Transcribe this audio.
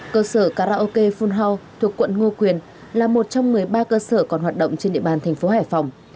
cơ sở karaoke phun house thuộc quận ngô quyền là một trong một mươi ba cơ sở còn hoạt động trên địa bàn thành phố hải phòng